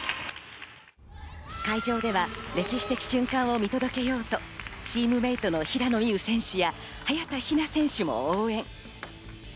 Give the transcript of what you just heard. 会場では歴史的瞬間を見届けようとチームメートの平野美宇選手や早田ひな選手も応援。